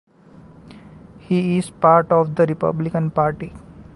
He is part of the Republican Party.